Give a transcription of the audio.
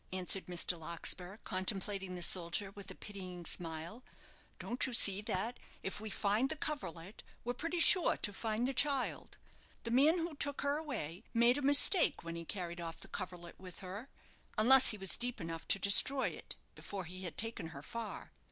answered Mr. Larkspur, contemplating the soldier with a pitying smile; "don't you see that, if we find the coverlet, we're pretty sure to find the child? The man who took her away made a mistake when he carried off the coverlet with her, unless he was deep enough to destroy it before he had taken her far.